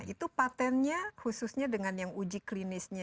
itu patentnya khususnya dengan yang uji klinisnya